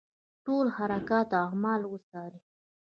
ټول حرکات او اعمال وڅاري.